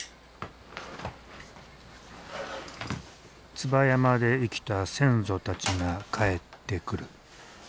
椿山で生きた先祖たちが帰ってくる。